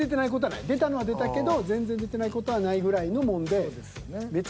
出たのは出たけど全然出てない事はないぐらいのもんで。